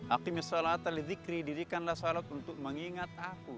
aqimis salatal zikri didikanlah salat untuk mengingat aku